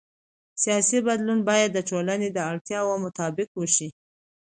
سیاسي بدلون باید د ټولنې د اړتیاوو مطابق وشي